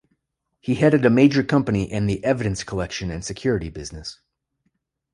He headed a major company in the evidence-collection and security business.